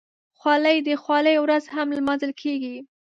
خولۍ د خولۍ ورځ هم لمانځل کېږي.